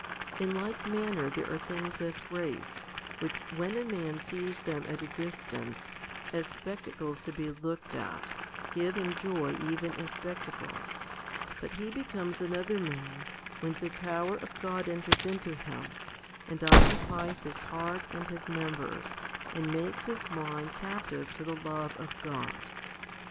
In like manner there are things of grace, which HOMILY VII 63 when a man sees them at a distance, as spectacles to be looked at, give him joy even as spectacles ; but he becomes another man when the power of God enters into him, and occupies his heart and his members, and makes his mind captive to the love of God.